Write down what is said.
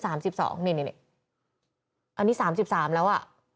อันนี้วันนี้๓๓แล้ว